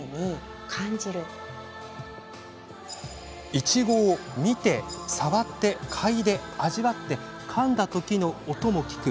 いちごを見て、触って、嗅いで味わって、かんだ時の音も聞く。